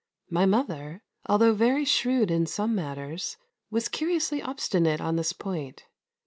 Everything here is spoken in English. My mother, although very shrewd in some matters, was curiously obstinate on this point.